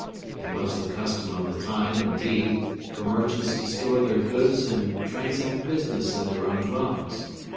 It was the custom of the time, indeed, for merchants to store their goods and transact business in their own dwellings.